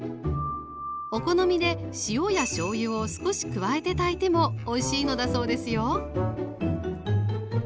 お好みで塩やしょうゆを少し加えて炊いてもおいしいのだそうですよ